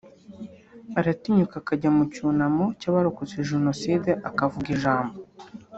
Aratinyuka akajya mu cyunamo cy’abarokotse jenoside akavuga ijambo